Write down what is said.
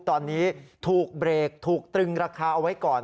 ตอนนี้ถูกเบรกถูกตรึงราคาเอาไว้ก่อน